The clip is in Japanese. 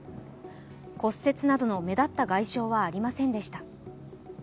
骨折などの目立った外傷はありませんでした。